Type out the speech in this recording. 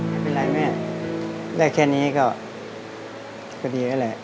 ไม่เป็นไรแม่ได้แค่นี้ก็ดีแล้วแหละ